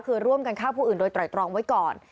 คือร่วมกันฆ่าผู้อื่นโดยไตรตรองไว้ก่อน